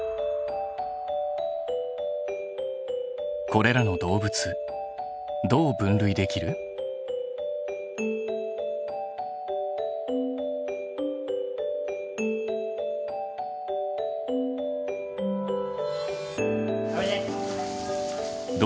これらの動物どう分類できる？おいで！